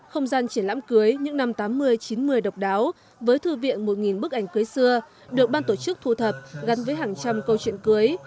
không gian triển lãm cưới những năm tám mươi chín mươi độc đáo với thư viện một bức ảnh cưới xưa được ban tổ chức thu thập gắn với hàng trăm câu chuyện cưới